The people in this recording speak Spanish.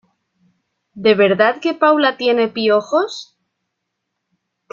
¿De verdad que Paula tiene piojos?